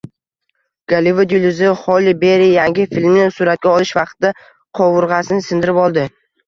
Gollivud yulduzi Xolli Berri yangi filmning suratga olish vaqtida qovurg‘asini sindirib oldi